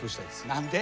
何で？